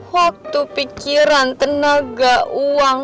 waktu pikiran tenaga uang